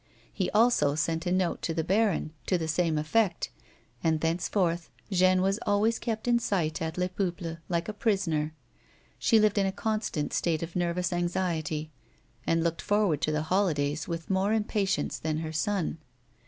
He also sent a note to the baron, to the same effect, and thenceforth Jeanne was always kept in sight at Les Peuples, like a prisoner. She lived in a constant state of nervous anxiety, and looked forward to the holidays with more impatience than her son.